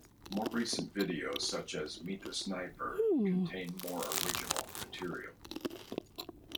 More recent videos, such as "Meet the Sniper", contain more original material.